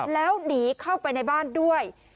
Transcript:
แล้วหนีเข้าไปในบ้านด้วย